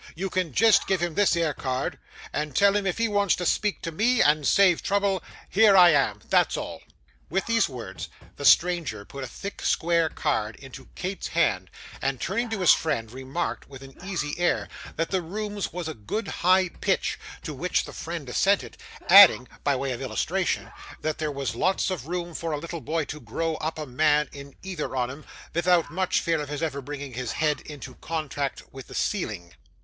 You can jist give him that 'ere card, and tell him if he wants to speak to ME, and save trouble, here I am; that's all.' With these words, the stranger put a thick square card into Kate's hand, and, turning to his friend, remarked, with an easy air, 'that the rooms was a good high pitch;' to which the friend assented, adding, by way of illustration, 'that there was lots of room for a little boy to grow up a man in either on 'em, vithout much fear of his ever bringing his head into contract vith the ceiling.